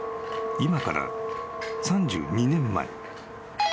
［今から３２年前］